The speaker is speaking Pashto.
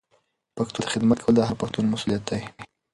پښتو ته خدمت کول د هر پښتون مسولیت دی.